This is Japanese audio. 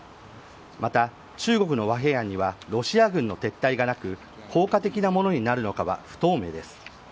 また中国の和平案にはロシア軍の撤退はなく効果的なものになるのかは不透明です。